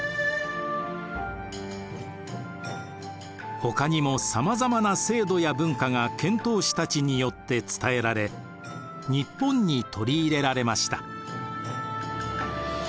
ほかにもさまざまな制度や文化が遣唐使たちによって伝えられ日本に取り入れられました。